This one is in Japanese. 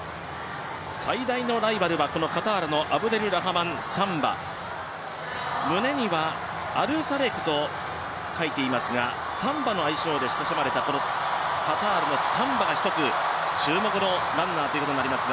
最大のライバルはカタールのアブデルラハマン・サンバ胸にはアルサレクと書いていますがサンバの愛称で親しまれたカタールのサンバが一つ、注目のランナーとなります。